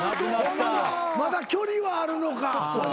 まだ距離はあるのか。